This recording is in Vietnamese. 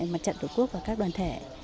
mặt trận của quốc và các đoàn thể